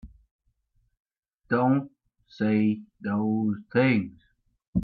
Don't say those things!